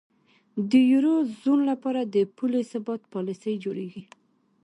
د یورو زون لپاره د پولي ثبات پالیسۍ جوړیږي.